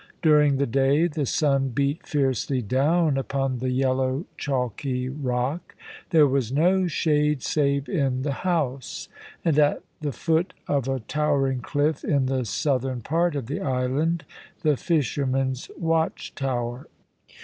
During the day the sun beat fiercely down upon the yellow chalky rock. There was no shade save in the house and at the foot of a towering cliff in the southern part of the island, the fishermen's watch tower.